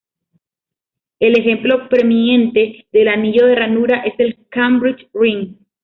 El ejemplo preeminente del anillo de ranura es el Cambridge Ring.